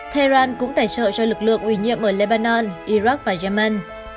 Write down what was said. tehran cũng tài trợ cho lực lượng uy nhiệm ở lebanon iraq và yemen